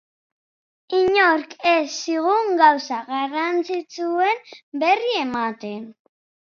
Inork ez zigun gauza garrantzitsuen berri ematen.